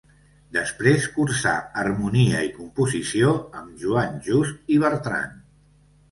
Després cursà harmonia i composició amb Joan Just i Bertran.